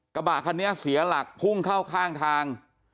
กระบะคันนี้เสียหลักพุ่งเข้าข้างทาง